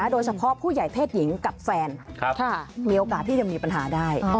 โดยเฉพาะผู้ใหญ่เพศหญิงกับแฟนมีโอกาสที่จะมีปัญหาได้